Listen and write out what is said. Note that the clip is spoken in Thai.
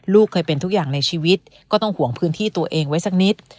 เคยเป็นทุกอย่างในชีวิตก็ต้องห่วงพื้นที่ตัวเองไว้สักนิด